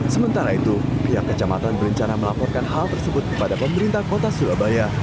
sementara itu pihak kecamatan berencana melaporkan hal tersebut kepada pemerintah kota surabaya